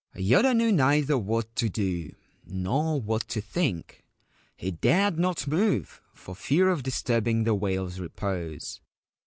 Yoda knew neither what to do nor what to think ; he dared not move, for fear of disturbing the whale's repose.